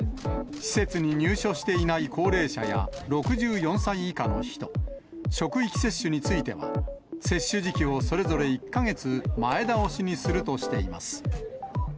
施設に入所していない高齢者や、６４歳以下の人、職域接種については、接種時期をそれぞれ１か月前倒しにするとしています。